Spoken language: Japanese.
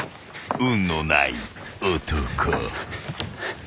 ［運のない男］